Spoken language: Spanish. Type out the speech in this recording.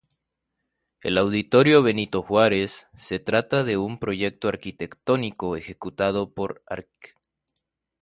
El Auditorio Benito Juárez se trata de un proyecto arquitectónico ejecutado por Arq.